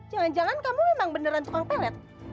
jangan jangan kamu memang beneran tukang pelet